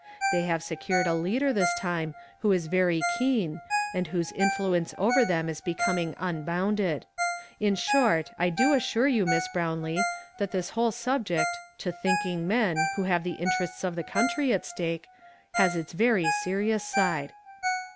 They have secured a leader this time who is very keen, and whose influence over them is becoming unbounded. In short, I do assure you. Miss Brownlee, that this whole subject, to thinking men, who have tlie interests of the country at stake, has its very serious side."